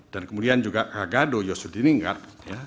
dan kemudian juga raghado yosudiningrat